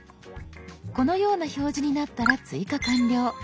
このような表示になったら追加完了。